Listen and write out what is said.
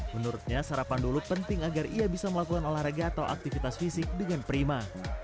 menurutnya sarapan dulu penting agar ia bisa melakukan olahraga atau aktivitas fisik dengan prima